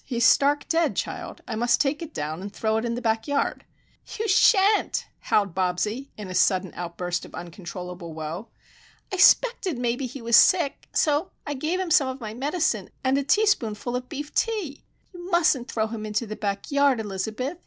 He's stark dead, child! I must take it down and throw it into the back yard." "You shan't!" howled Bobsie, in a sudden outburst of uncontrollable woe. "I 'spected maybe he was sick; so I gave him some of my medicine and a teaspoonful of beef tea! You mustn't throw him into the back yard, Elizabeth!